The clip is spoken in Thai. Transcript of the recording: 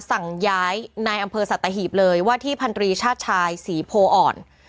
สั่งย้ายนายอำเภอสัตหีบเลยว่าที่พันธรีชาติชายศรีโพออ่อน